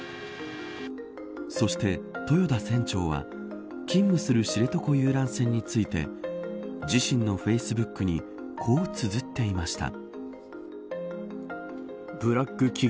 そして、豊田船長は勤務する知床遊覧船について自身のフェイスブックにこうつづっていました。